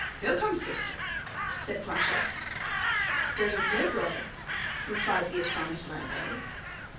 "Wilkom, suster," said Planchet. "Goeden day, broder," replied the astonished landlady.